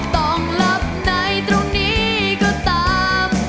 ต้องหลับในตรงนี้ก็ตาม